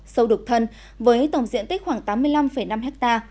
sâu đục thân với tổng diện tích khoảng tám mươi năm năm ha